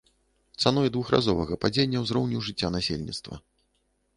Цаной двухразовага падзення ўзроўню жыцця насельніцтва.